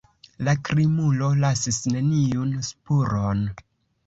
La krimulo lasis neniun spuron.